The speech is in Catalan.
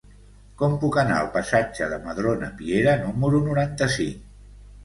Com puc anar al passatge de Madrona Piera número noranta-cinc?